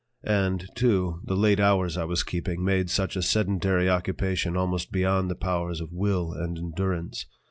And, too, the late hours I was keeping made such a sedentary occupation almost beyond the powers of will and endurance.